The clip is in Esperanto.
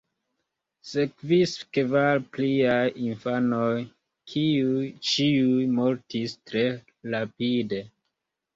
Sekvis kvar pliaj infanoj, kiuj ĉiuj mortis tre rapide.